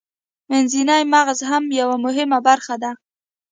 منځنی مغزه هم یوه مهمه برخه ده